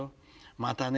またね